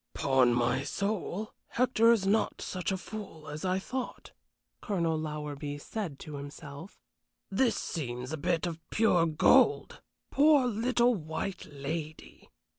"'Pon my soul, Hector is not such a fool as I thought," Colonel Lowerby said to himself. "This seems a bit of pure gold poor little white lady!